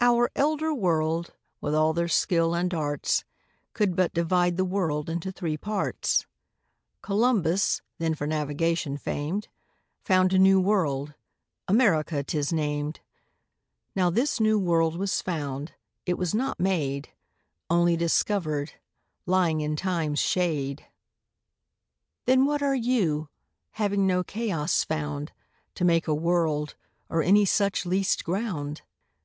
Our Elder World, with all their Skill and Arts, Could but divide the World into three Parts: Columbus, then for Navigation fam'd, Found a new World, America 'tis nam'd; Now this new World was found, it was not made, Onely discovered, lying in Time's shade. Then what are You, having no Chaos found To make a World, or any such least ground?